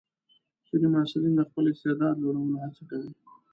ځینې محصلین د خپل استعداد لوړولو هڅه کوي.